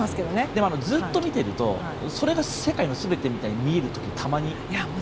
ずっと見ているとそれが世界の全てみたいに見える時ってたまに。